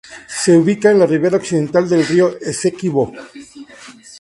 Se ubica en la ribera occidental del río Esequibo.